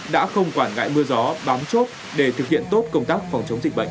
đã không quản ngại mưa gió bám chốt để thực hiện tốt công tác phòng chống dịch bệnh